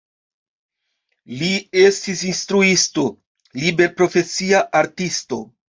Li estis instruisto, liberprofesia artisto.